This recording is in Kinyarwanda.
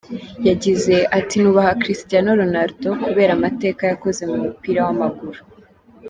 Yagize ati “Nubaha Cristiano Ronaldo kubera amateka yakoze mu mupira w’amaguru.